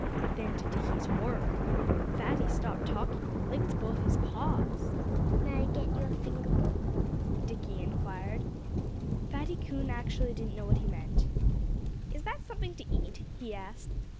Then, to Dickie's horror, Fatty stopped talking and licked both his paws. "May I get you a finger bowl?" Dickie inquired. Fatty Coon actually didn't know what he meant. "Is that something to eat?" he asked.